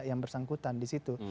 yang bersangkutan disitu